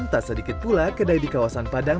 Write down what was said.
tak sedikit pula kedai di kawasan padang